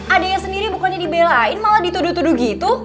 adeknya sendiri bukannya dibelain malah dituduh tuduh gitu